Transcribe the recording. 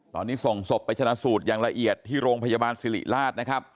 ตอนนี้ส่งศพไปชนะสูตรอย่างละเอียดที่โรงพยาบาลสิริราชนะครับ